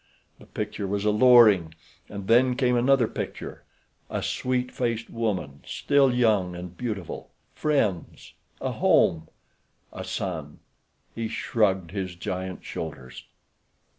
The picture was alluring. And then came another picture—a sweet faced woman, still young and beautiful; friends; a home; a son. He shrugged his giant shoulders.